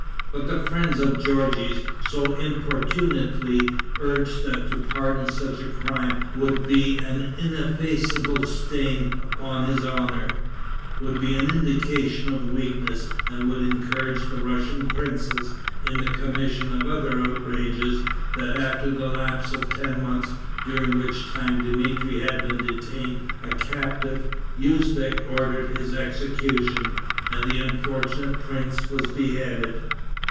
But the friends of Georges so importunately urged that to pardon such a crime would be an ineffaceable stain upon his honor, would be an indication of weakness, and would encourage the Russian princes in the commission of other outrages, that after the lapse of ten months, during which time Dmitri had been detained a captive, Usbeck ordered his execution, and the unfortunate prince was beheaded.